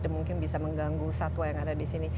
dan mungkin bisa mengganggu satwa yang ada di sini